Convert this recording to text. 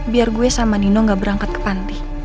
biar gue sama nino gak berangkat ke panti